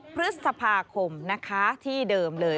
๖พฤษภาคมที่เดิมเลย